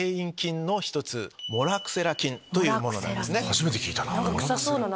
初めて聞いたな。